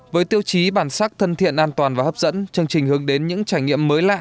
với tiêu chí bản sắc thân thiện an toàn và hấp dẫn chương trình hướng đến những trải nghiệm mới lạ